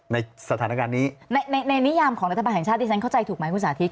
ในสถานการณ์นี้ในในนิยามของรัฐบาลแห่งชาติที่ฉันเข้าใจถูกไหมคุณสาธิต